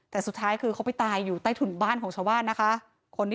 แต่สุดท้ายคือเขาไปตายอยู่ใต้ถุนบ้านของชาวบ้านนะคะ